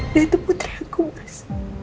dia itu putri aku mas